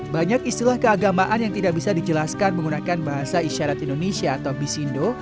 banyak istilah keagamaan yang tidak bisa dijelaskan menggunakan bahasa isyarat indonesia atau bisindo